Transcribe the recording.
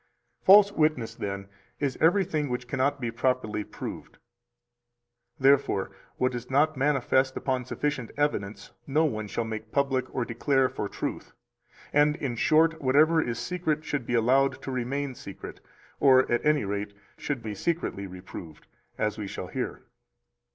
271 False witness, then, is everything which cannot be properly proved. 272 Therefore, what is not manifest upon sufficient evidence no one shall make public or declare for truth; and, in short, whatever is secret should be allowed to remain secret, or, at any rate, should be secretly reproved, as we shall hear.